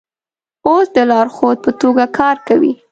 اوس د لارښود په توګه کار کوي.